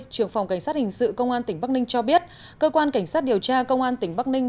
trường phòng cảnh sát hình sự công an tỉnh bắc ninh cho biết cơ quan cảnh sát điều tra công an tỉnh bắc ninh